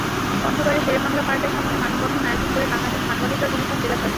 পঞ্চগড়ে শেরেবাংলা পার্কের সামনে মানববন্ধন আয়োজন করে বাংলাদেশ মানবাধিকার কমিশন জেলা শাখা।